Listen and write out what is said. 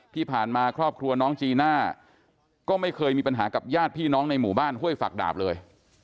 ที่ผ่านมาครอบครัวน้องจีน่าก็ไม่เคยมีปัญหากับญาติพี่น้องในหมู่บ้านห้วยฝักดาบเลย